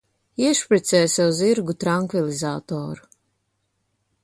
Iešpricē sev zirgu trankvilizatoru.